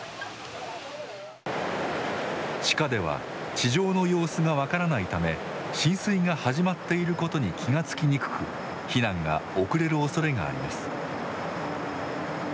地下では地上の様子が分からないため浸水が始まっていることに気が付きにくく避難が遅れるおそれがあります。